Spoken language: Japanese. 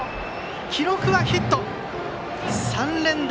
記録はヒット、３連打。